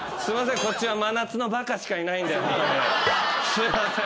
すいません。